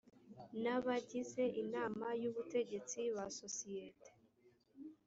n abagize inama y ubutegetsi ba sosiyete